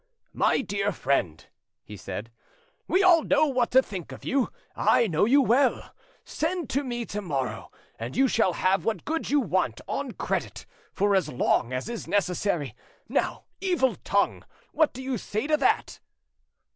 "My dear friend," he said, "we all know what to think of you. I know you well. Send to me tomorrow, and you shall have what goods you want, on credit, for as long as is necessary. Now, evil tongue, what do you say to that?"